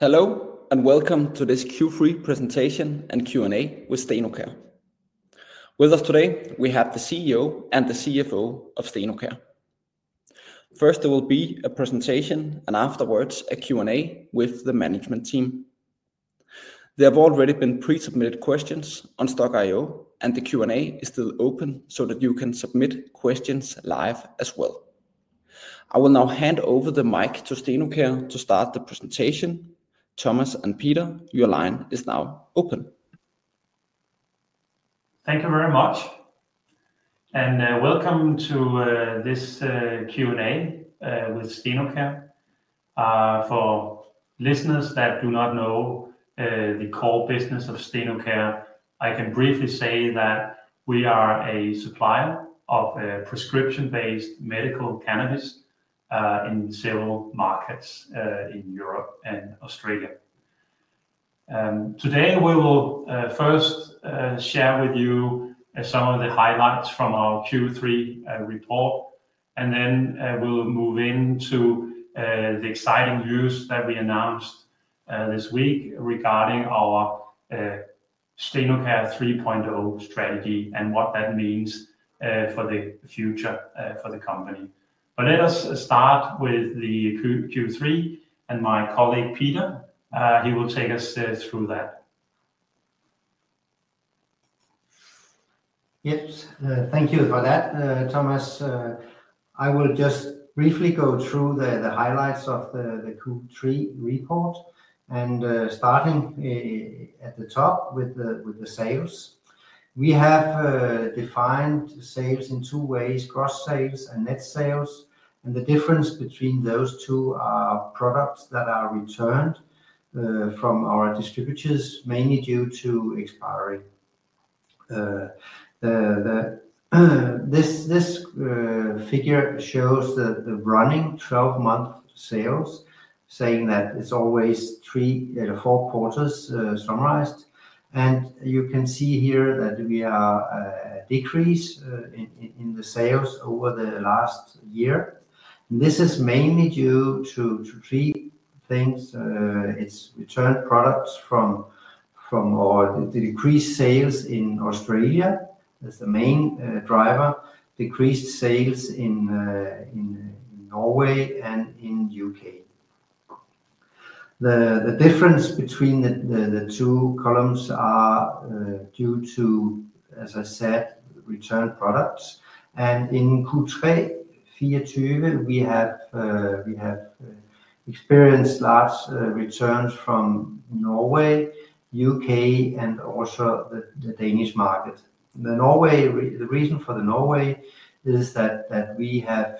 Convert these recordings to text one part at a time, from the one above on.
Hello and welcome to this Q3 presentation and Q&A with Stenocare. With us today, we have the CEO and the CFO of Stenocare. First, there will be a presentation and afterwards a Q&A with the management team. There have already been pre-submitted questions on Stokk.io, and the Q&A is still open so that you can submit questions live as well. I will now hand over the mic to Stenocare to start the presentation. Thomas and Peter, your line is now open. Thank you very much, and welcome to this Q&A with Stenocare. For listeners that do not know the core business of Stenocare, I can briefly say that we are a supplier of prescription-based medical cannabis in several markets in Europe and Australia. Today, we will first share with you some of the highlights from our Q3 report, and then we'll move into the exciting news that we announced this week regarding our Stenocare 3.0 strategy and what that means for the future for the company. But let us start with the Q3, and my colleague Peter, he will take us through that. Yes, thank you for that, Thomas. I will just briefly go through the highlights of the Q3 report, starting at the top with the sales. We have defined sales in two ways: gross sales and net sales. And the difference between those two are products that are returned from our distributors, mainly due to expiry. This figure shows the running 12-month sales, saying that it's always three to four quarters summarized. And you can see here that we have a decrease in the sales over the last year. This is mainly due to three things: it's returned products from the decreased sales in Australia, that's the main driver, decreased sales in Norway, and in the U.K. The difference between the two columns is due to, as I said, returned products. And in Q3, we have experienced large returns from Norway, the U.K., and also the Danish market. The reason for Norway is that we have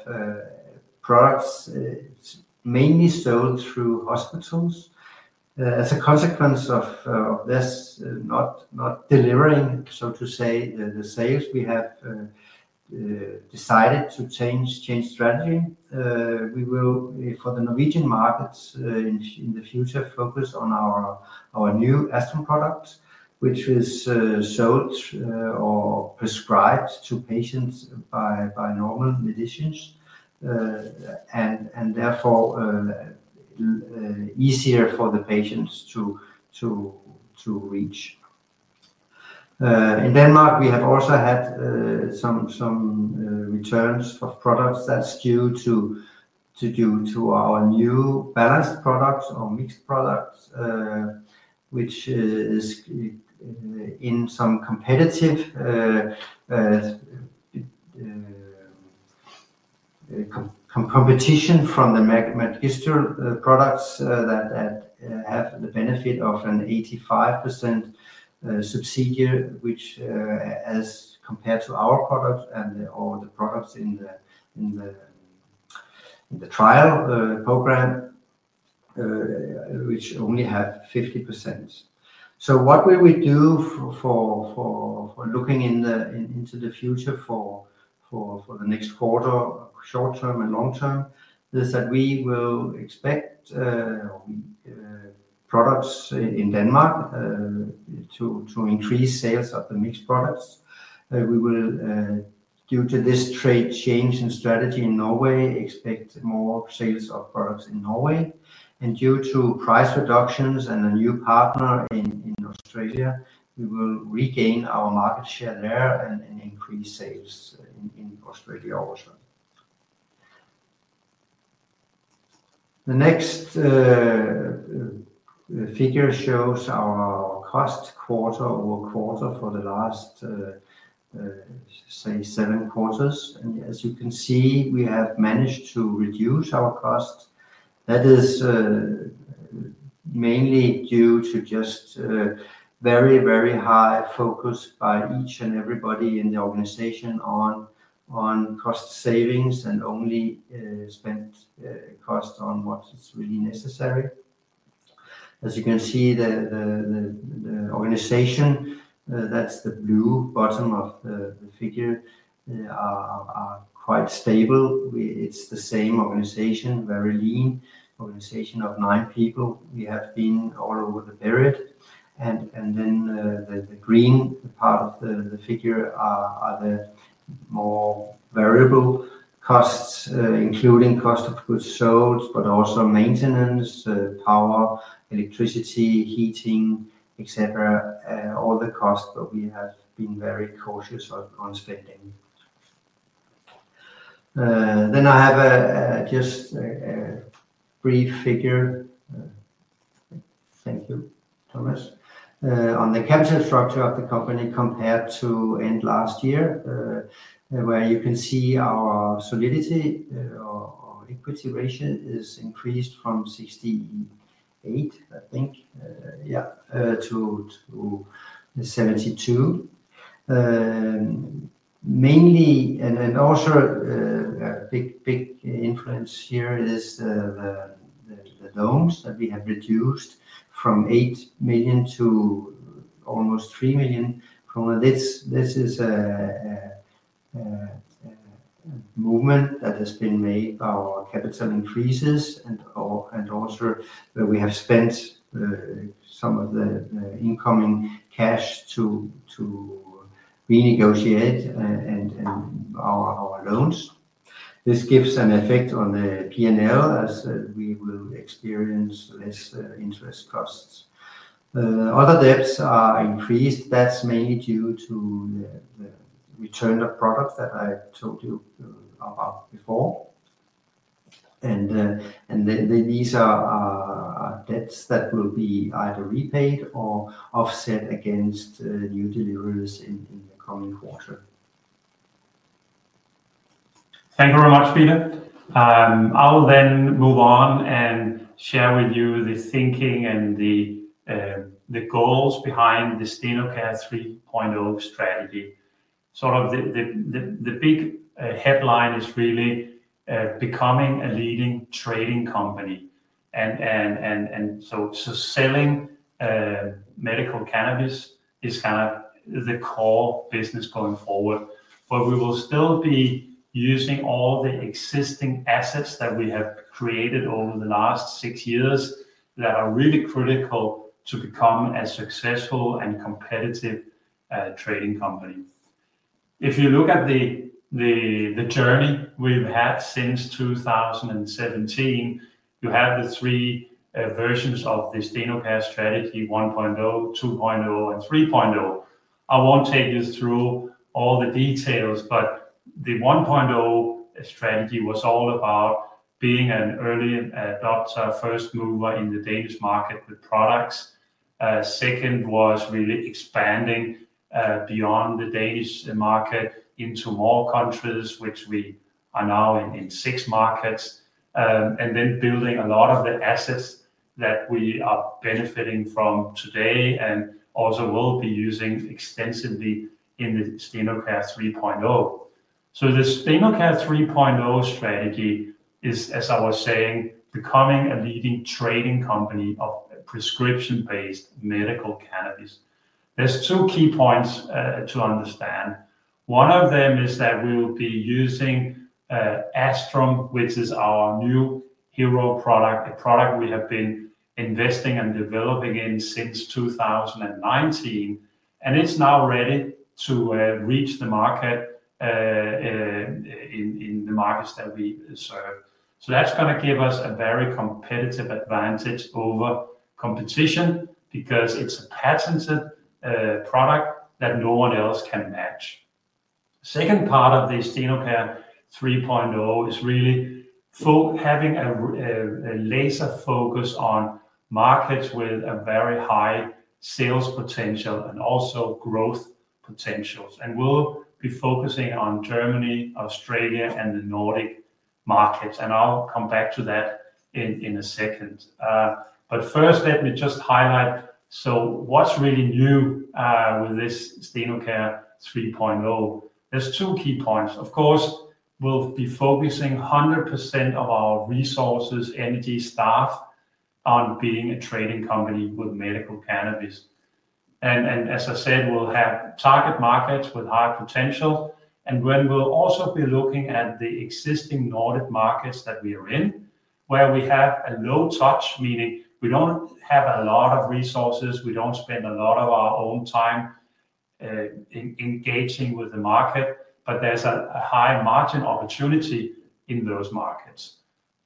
products mainly sold through hospitals. As a consequence of this, not delivering, so to say, the sales, we have decided to change strategy. We will, for the Norwegian markets in the future, focus on our new Astrum product, which is sold or prescribed to patients by normal pharmacies, and therefore easier for the patients to reach. In Denmark, we have also had some returns of products that are due to our new balanced products or mixed products, which is in some competition from the magistral products that have the benefit of an 85% subsidy, which, as compared to our products and all the products in the trial program, which only have 50%. What will we do for looking into the future for the next quarter, short-term and long-term, is that we will expect products in Denmark to increase sales of the magistral products. We will, due to this strategic change in strategy in Norway, expect more sales of products in Norway. And due to price reductions and a new partner in Australia, we will regain our market share there and increase sales in Australia also. The next figure shows our cost quarter-over-quarter for the last, say, seven quarters. And as you can see, we have managed to reduce our cost. That is mainly due to just very, very high focus by each and everybody in the organization on cost savings and only spent cost on what is really necessary. As you can see, the organization, that's the blue bottom of the figure, are quite stable. It's the same organization, very lean organization of nine people we have been all over the period. And then the green part of the figure are the more variable costs, including cost of goods sold, but also maintenance, power, electricity, heating, etc., all the costs that we have been very cautious on spending. Then I have just a brief figure. Thank you, Thomas. On the capital structure of the company compared to end last year, where you can see our solidity or equity ratio has increased from 68%, I think, yeah, to 72%. Mainly, and also a big influence here is the loans that we have reduced from 8 million to almost 3 million. This is a movement that has been made by our capital increases and also where we have spent some of the incoming cash to renegotiate our loans. This gives an effect on the P&L as we will experience less interest costs. Other debts are increased. That's mainly due to the return of products that I told you about before. And these are debts that will be either repaid or offset against new deliveries in the coming quarter. Thank you very much, Peter. I will then move on and share with you the thinking and the goals behind the Stenocare 3.0 strategy. Sort of the big headline is really becoming a leading trading company, and so selling medical cannabis is kind of the core business going forward, but we will still be using all the existing assets that we have created over the last six years that are really critical to become a successful and competitive trading company. If you look at the journey we've had since 2017, you have the three versions of the Stenocare strategy: 1.0, 2.0, and 3.0. I won't take you through all the details, but the 1.0 strategy was all about being an early adopter, first mover in the Danish market with products. Second was really expanding beyond the Danish market into more countries, which we are now in six markets, and then building a lot of the assets that we are benefiting from today and also will be using extensively in the Stenocare 3.0, so the Stenocare 3.0 strategy is, as I was saying, becoming a leading trading company of prescription-based medical cannabis. There's two key points to understand. One of them is that we will be using Astrum, which is our new hero product, a product we have been investing and developing in since 2019, and it's now ready to reach the market in the markets that we serve, so that's going to give us a very competitive advantage over competition because it's a patented product that no one else can match. The second part of the Stenocare 3.0 is really having a laser focus on markets with a very high sales potential and also growth potentials. And we'll be focusing on Germany, Australia, and the Nordic markets. And I'll come back to that in a second. But first, let me just highlight, so what's really new with this Stenocare 3.0? There's two key points. Of course, we'll be focusing 100% of our resources, energy, staff on being a trading company with medical cannabis. And as I said, we'll have target markets with high potential. And then we'll also be looking at the existing Nordic markets that we are in, where we have a low touch, meaning we don't have a lot of resources, we don't spend a lot of our own time engaging with the market, but there's a high margin opportunity in those markets.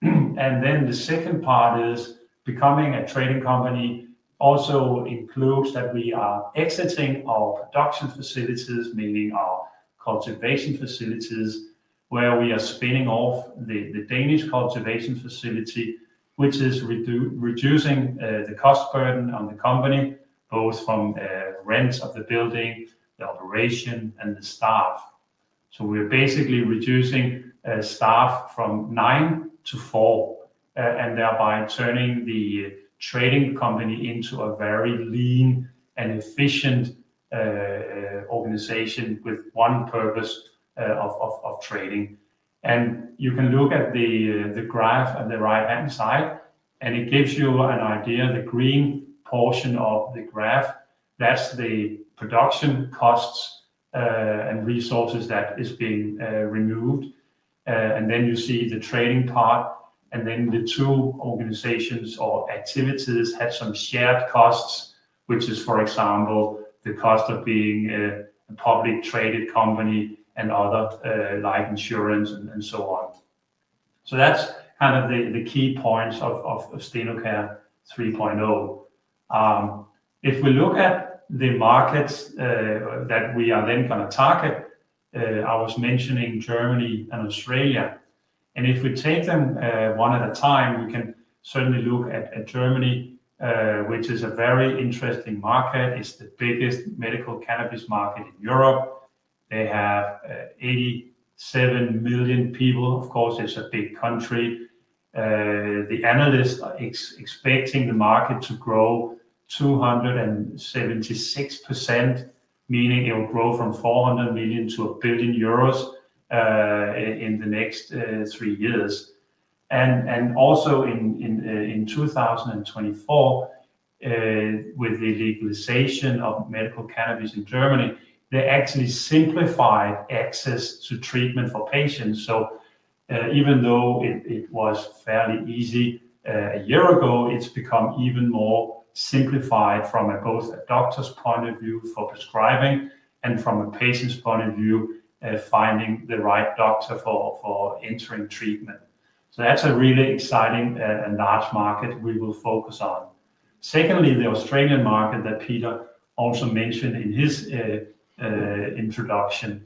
Then the second part is becoming a trading company also includes that we are exiting our production facilities, meaning our cultivation facilities, where we are spinning off the Danish cultivation facility, which is reducing the cost burden on the company, both from rents of the building, the operation, and the staff. So we're basically reducing staff from nine to four, and thereby turning the trading company into a very lean and efficient organization with one purpose of trading. You can look at the graph on the right-hand side, and it gives you an idea. The green portion of the graph, that's the production costs and resources that are being removed. Then you see the trading part, and then the two organizations or activities have some shared costs, which is, for example, the cost of being a publicly traded company and other life insurance and so on. So that's kind of the key points of Stenocare 3.0. If we look at the markets that we are then going to target, I was mentioning Germany and Australia. And if we take them one at a time, we can certainly look at Germany, which is a very interesting market. It's the biggest medical cannabis market in Europe. They have 87 million people. Of course, it's a big country. The analysts are expecting the market to grow 276%, meaning it will grow from 400 million-1 billion euros in the next three years, and also in 2024, with the legalization of medical cannabis in Germany, they actually simplified access to treatment for patients. So even though it was fairly easy a year ago, it's become even more simplified from both a doctor's point of view for prescribing and from a patient's point of view, finding the right doctor for entering treatment. So that's a really exciting and large market we will focus on. Secondly, the Australian market that Peter also mentioned in his introduction.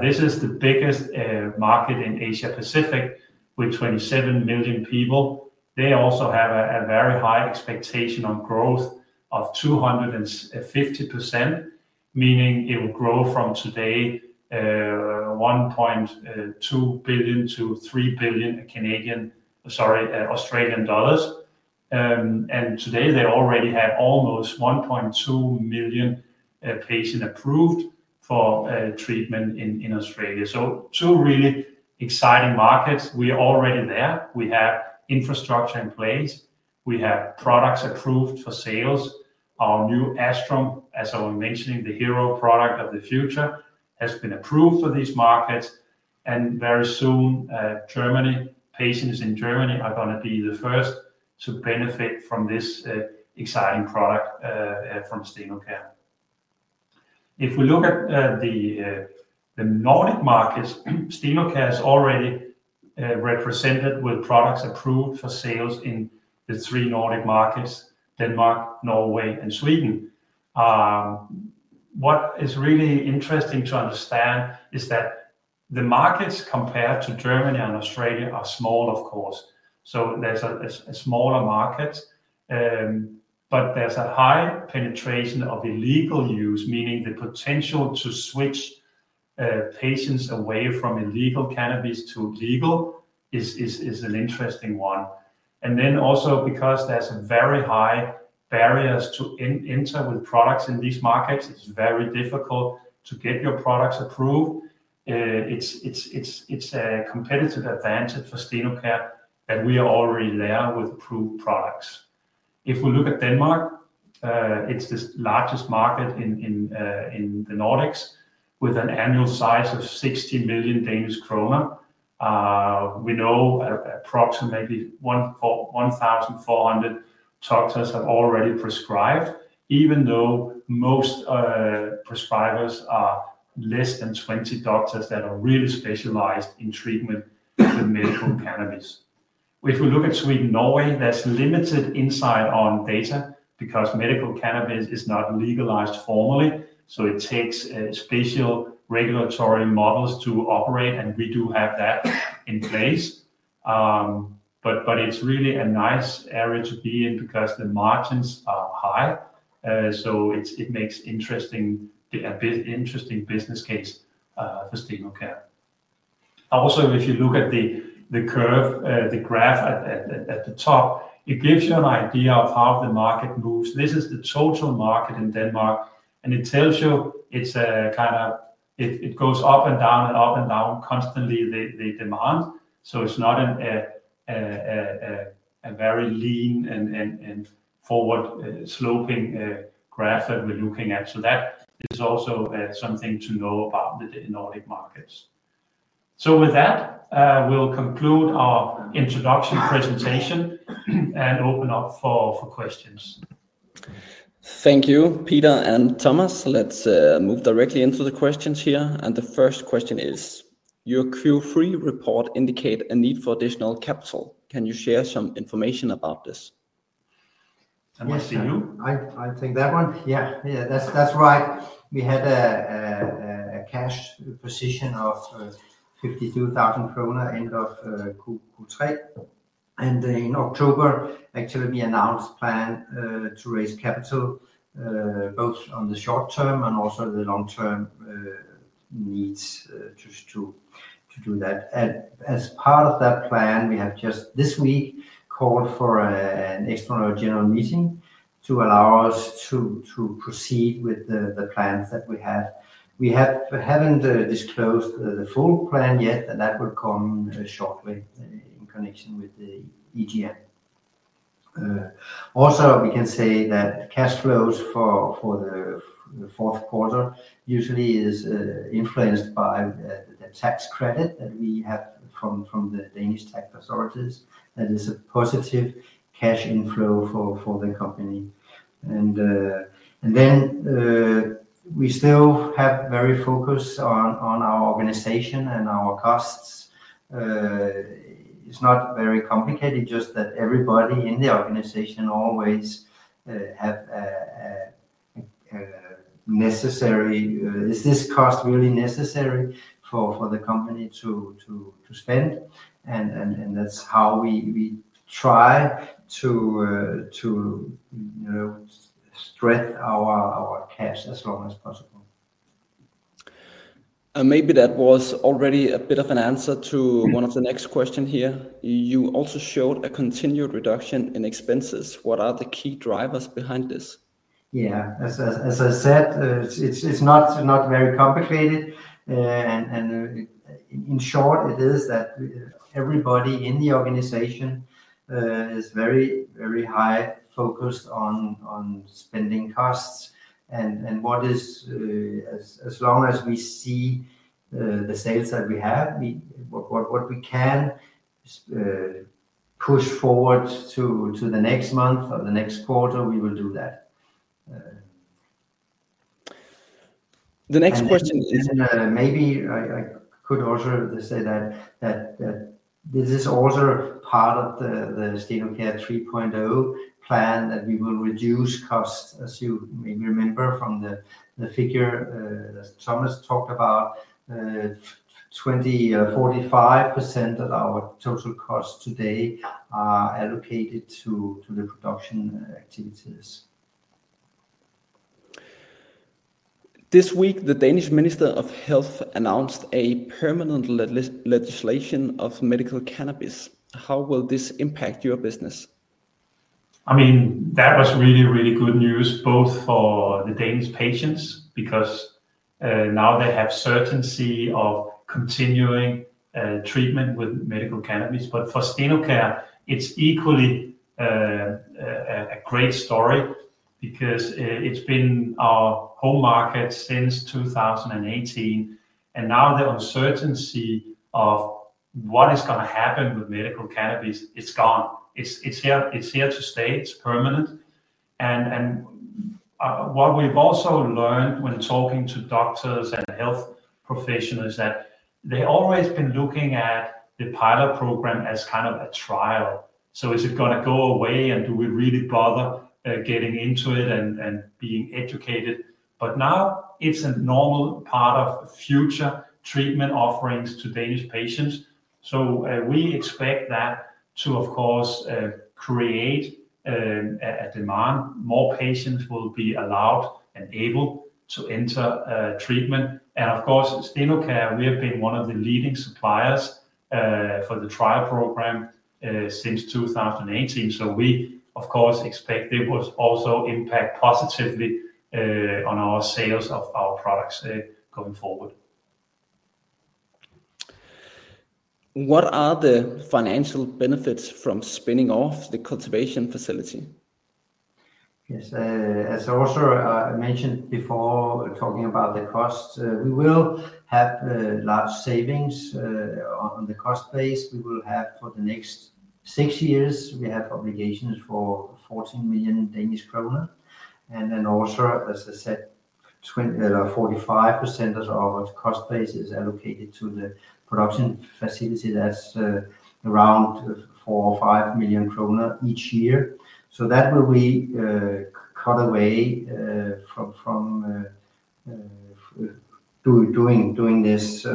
This is the biggest market in Asia-Pacific with 27 million people. They also have a very high expectation on growth of 250%, meaning it will grow from today 1.2 billion- 3 billion. And today, they already have almost 1.2 million patients approved for treatment in Australia. So two really exciting markets. We are already there. We have infrastructure in place. We have products approved for sales. Our new Astrum, as I was mentioning, the hero product of the future, has been approved for these markets. Very soon, German patients in Germany are going to be the first to benefit from this exciting product from Stenocare. If we look at the Nordic markets, Stenocare is already represented with products approved for sales in the three Nordic markets, Denmark, Norway, and Sweden. What is really interesting to understand is that the markets compared to Germany and Australia are small, of course. There's a smaller market, but there's a high penetration of illegal use, meaning the potential to switch patients away from illegal cannabis to legal is an interesting one. Also because there's very high barriers to enter with products in these markets, it's very difficult to get your products approved. It's a competitive advantage for Stenocare that we are already there with approved products. If we look at Denmark, it's the largest market in the Nordics with an annual size of 60 million Danish kroner. We know approximately 1,400 doctors have already prescribed, even though most prescribers are less than 20 doctors that are really specialized in treatment with medical cannabis. If we look at Sweden and Norway, there's limited insight on data because medical cannabis is not legalized formally. So it takes special regulatory models to operate, and we do have that in place. But it's really a nice area to be in because the margins are high. So it makes a bit interesting business case for Stenocare. Also, if you look at the graph at the top, it gives you an idea of how the market moves. This is the total market in Denmark, and it tells you it's kind of it goes up and down and up and down constantly, the demand, so it's not a very linear and forward-sloping graph that we're looking at, so that is also something to know about the Nordic markets, so with that, we'll conclude our introduction presentation and open up for questions. Thank you, Peter and Thomas. Let's move directly into the questions here. The first question is, your Q3 report indicates a need for additional capital. Can you share some information about this? Yes, I think that one, yeah, that's right. We had a cash position of 52,000 kroner at the end of Q3. And in October, actually, we announced a plan to raise capital, both on the short term and also the long-term needs to do that. As part of that plan, we have just this week called for an Extraordinary General Meeting to allow us to proceed with the plans that we have. We haven't disclosed the full plan yet, and that will come shortly in connection with the EGM. Also, we can say that cash flows for the fourth quarter usually are influenced by the tax credit that we have from the Danish tax authorities. That is a positive cash inflow for the company. And then we still have very focused on our organization and our costs. It's not very complicated, just that everybody in the organization always asks, is this cost really necessary for the company to spend? And that's how we try to stretch our cash as long as possible. Maybe that was already a bit of an answer to one of the next questions here. You also showed a continued reduction in expenses. What are the key drivers behind this? Yeah, as I said, it's not very complicated. And in short, it is that everybody in the organization is very, very high focused on spending costs. And as long as we see the sales that we have, what we can push forward to the next month or the next quarter, we will do that. The next question is. Maybe I could also say that this is also part of the Stenocare 3.0 plan that we will reduce costs, as you may remember from the figure Thomas talked about. 20.45% of our total costs today are allocated to the production activities. This week, the Danish Minister of Health announced a permanent legislation of medical cannabis. How will this impact your business? I mean, that was really, really good news, both for the Danish patients because now they have certainty of continuing treatment with medical cannabis, but for Stenocare, it's equally a great story because it's been our home market since 2018, and now the uncertainty of what is going to happen with medical cannabis is gone. It's here to stay. It's permanent, and what we've also learned when talking to doctors and health professionals is that they've always been looking at the pilot program as kind of a trial. So is it going to go away, and do we really bother getting into it and being educated, but now it's a normal part of future treatment offerings to Danish patients, so we expect that to, of course, create a demand. More patients will be allowed and able to enter treatment. Of course, Stenocare, we have been one of the leading suppliers for the trial program since 2018. We, of course, expect it will also impact positively on our sales of our products going forward. What are the financial benefits from spinning off the cultivation facility? Yes, as I also mentioned before talking about the costs, we will have large savings on the cost base. We will have, for the next six years, we have obligations for 14 million Danish kroner. And then also, as I said, 45% of our cost base is allocated to the production facility that's around 4 million or 5 million kroner each year. So that will be cut away from doing this.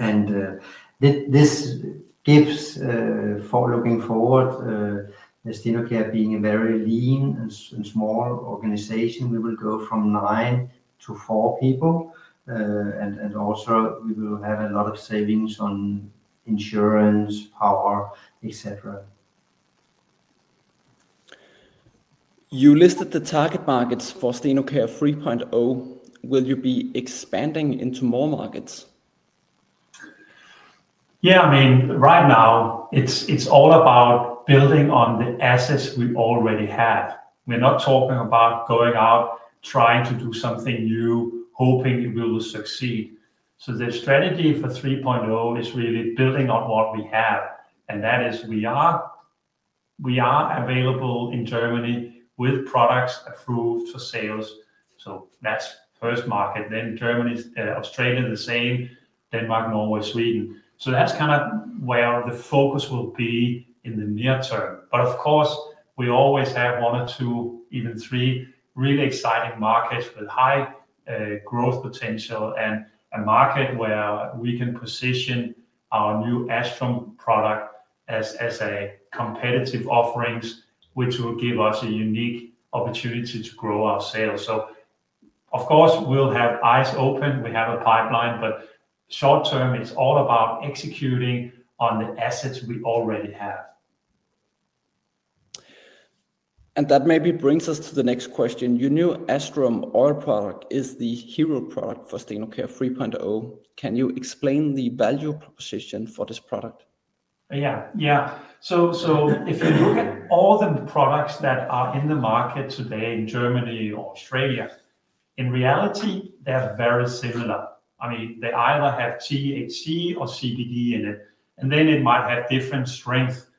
And this gives, looking forward, Stenocare being a very lean and small organization, we will go from nine to four people. And also, we will have a lot of savings on insurance, power, etc. You listed the target markets for Stenocare 3.0. Will you be expanding into more markets? Yeah, I mean, right now, it's all about building on the assets we already have. We're not talking about going out, trying to do something new, hoping it will succeed. So the strategy for 3.0 is really building on what we have. And that is, we are available in Germany with products approved for sales. So that's first market. Then Germany, Australia, the same, Denmark, Norway, Sweden. So that's kind of where the focus will be in the near term. But of course, we always have one or two, even three, really exciting markets with high growth potential and a market where we can position our new Astrum product as a competitive offering, which will give us a unique opportunity to grow our sales. So of course, we'll have eyes open. We have a pipeline, but short term, it's all about executing on the assets we already have. That maybe brings us to the next question. Your new Astrum oil product is the hero product for Stenocare 3.0. Can you explain the value proposition for this product? Yeah, yeah. So if you look at all the products that are in the market today in Germany or Australia, in reality, they're very similar. I mean, they either have THC or CBD in it, and then it might have different strength,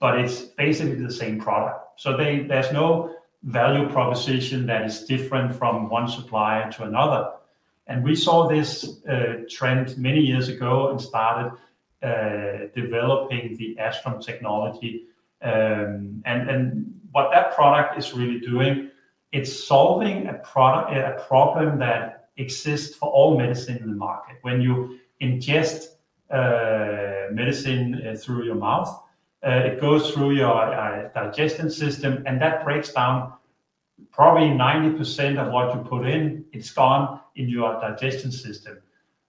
but it's basically the same product. So there's no value proposition that is different from one supplier to another. And we saw this trend many years ago and started developing the Astrum technology. And what that product is really doing, it's solving a problem that exists for all medicine in the market. When you ingest medicine through your mouth, it goes through your digestion system, and that breaks down probably 90% of what you put in. It's gone in your digestion system.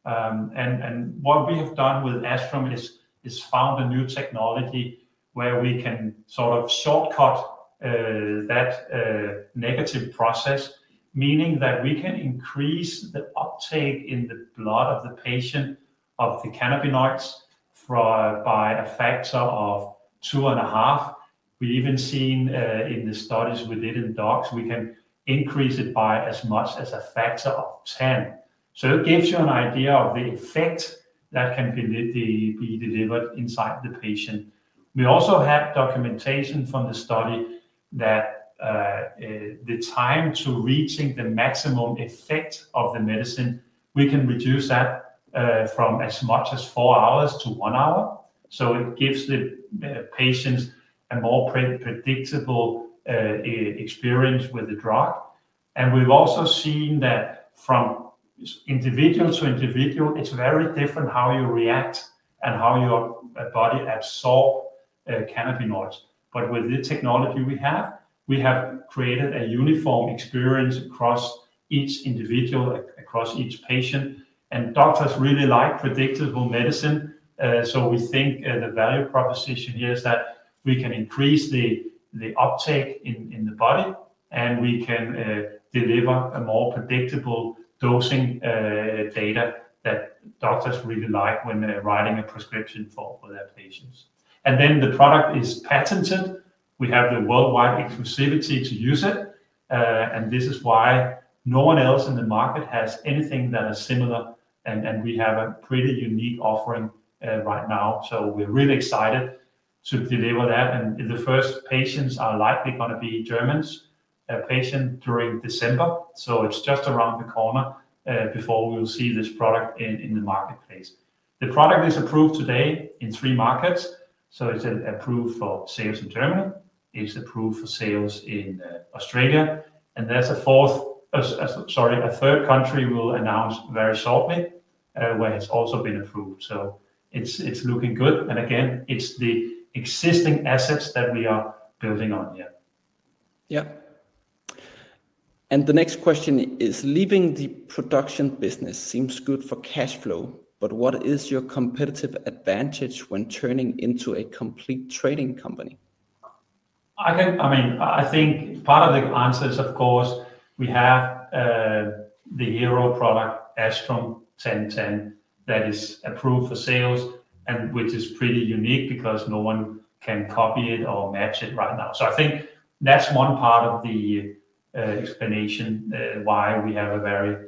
What we have done with Astrum is found a new technology where we can sort of shortcut that negative process, meaning that we can increase the uptake in the blood of the patient of the cannabinoids by a factor of two and a half. We've even seen in the studies we did in dogs. We can increase it by as much as a factor of 10. So it gives you an idea of the effect that can be delivered inside the patient. We also have documentation from the study that the time to reaching the maximum effect of the medicine. We can reduce that from as much as four hours to one hour. So it gives the patients a more predictable experience with the drug. And we've also seen that from individual to individual, it's very different how you react and how your body absorbs cannabinoids. But with the technology we have, we have created a uniform experience across each individual, across each patient. And doctors really like predictable medicine. So we think the value proposition here is that we can increase the uptake in the body, and we can deliver a more predictable dosing data that doctors really like when writing a prescription for their patients. And then the product is patented. We have the worldwide exclusivity to use it. And this is why no one else in the market has anything that is similar. And we have a pretty unique offering right now. So we're really excited to deliver that. And the first patients are likely going to be German patients during December. So it's just around the corner before we will see this product in the marketplace. The product is approved today in three markets. So it's approved for sales in Germany. It's approved for sales in Australia, and there's a fourth, sorry, a third country we'll announce very shortly where it's also been approved, so it's looking good, and again, it's the existing assets that we are building on here. Yeah, and the next question is, leaving the production business seems good for cash flow, but what is your competitive advantage when turning into a complete trading company? I mean, I think part of the answer is, of course, we have the hero product, Astrum 10/10, that is approved for sales, which is pretty unique because no one can copy it or match it right now. So I think that's one part of the explanation why we have a very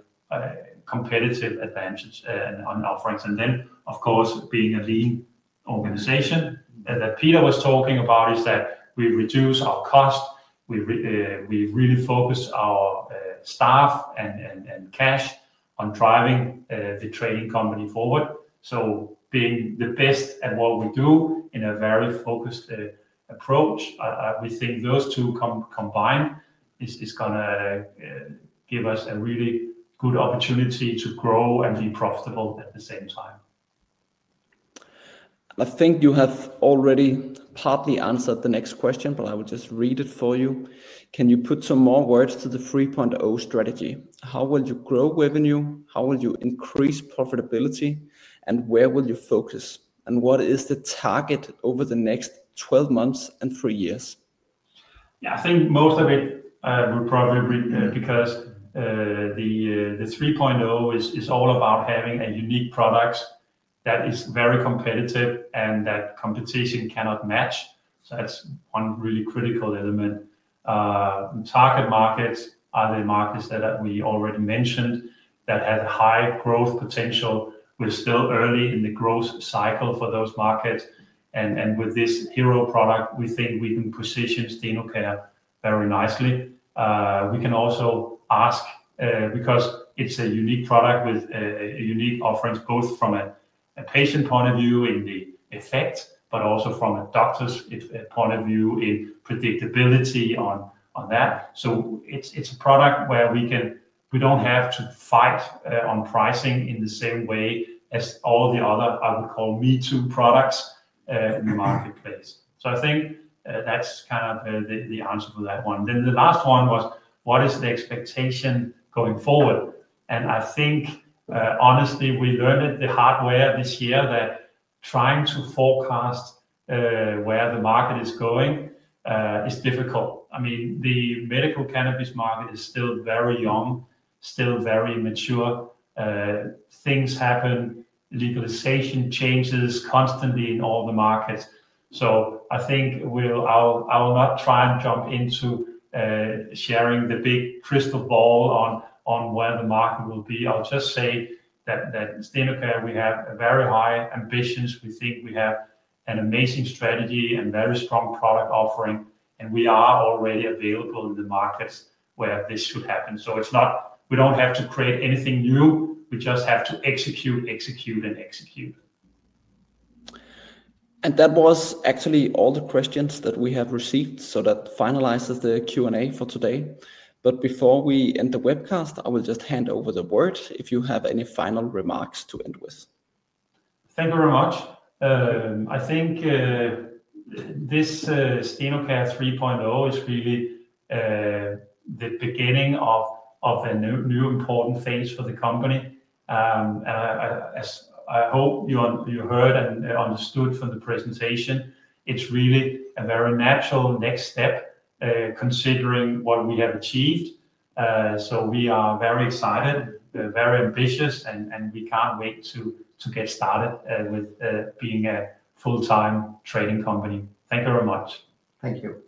competitive advantage on offerings. And then, of course, being a lean organization, and that Peter was talking about is that we reduce our cost. We really focus our staff and cash on driving the trading company forward. So being the best at what we do in a very focused approach, we think those two combined is going to give us a really good opportunity to grow and be profitable at the same time. I think you have already partly answered the next question, but I will just read it for you. Can you put some more words to the 3.0 strategy? How will you grow revenue? How will you increase profitability? And where will you focus? And what is the target over the next 12 months and three years? Yeah, I think most of it will probably be because the 3.0 is all about having a unique product that is very competitive and that competition cannot match. So that's one really critical element. Target markets are the markets that we already mentioned that have high growth potential. We're still early in the growth cycle for those markets. And with this hero product, we think we can position Stenocare very nicely. We can also ask because it's a unique product with a unique offering, both from a patient point of view in the effect, but also from a doctor's point of view in predictability on that. So it's a product where we don't have to fight on pricing in the same way as all the other, I would call, me-too products in the marketplace. So I think that's kind of the answer for that one. Then the last one was, what is the expectation going forward? And I think, honestly, we learned it the hard way this year that trying to forecast where the market is going is difficult. I mean, the medical cannabis market is still very young, still very immature. Things happen. Legalization changes constantly in all the markets. So I think I will not try and jump into sharing the big crystal ball on where the market will be. I'll just say that Stenocare, we have very high ambitions. We think we have an amazing strategy and very strong product offering. And we are already available in the markets where this should happen. So we don't have to create anything new. We just have to execute, execute, and execute. And that was actually all the questions that we have received. So that finalizes the Q&A for today. But before we end the webcast, I will just hand over the word if you have any final remarks to end with. Thank you very much. I think this Stenocare 3.0 is really the beginning of a new important phase for the company. And I hope you heard and understood from the presentation. It's really a very natural next step considering what we have achieved. So we are very excited, very ambitious, and we can't wait to get started with being a full-time trading company. Thank you very much. Thank you.